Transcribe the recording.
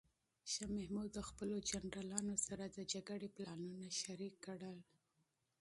شاه محمود د خپلو جنرالانو سره د جګړې پلانونه شریک کړل.